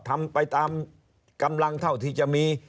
ทำไปตามกำลังเท่าที่จะมี